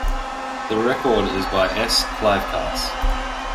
The record is by S. Kleivkaas.